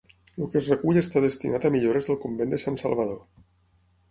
El que es recull està destinat a millores del convent de Sant Salvador.